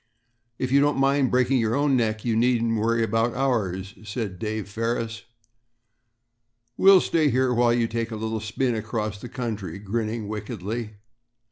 "If you don't mind breaking your own neck, you needn't worry about ours," said Dave Ferris; "we'll stay here while you take a little spin across country," grinning wickedly.